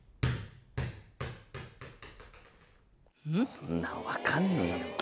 こんなの分かんねえよ。